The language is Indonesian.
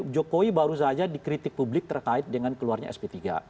jokowi baru saja dikritik publik terkait dengan keluarnya sp tiga